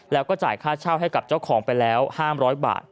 แล้วก็จ่ายค่าเช่าให้กับเจ้าของไปแล้ว๕๐๐บาท